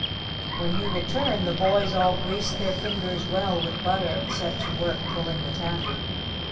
When he returned the boys all greased their fingers well with butter and set to work pulling the taffy.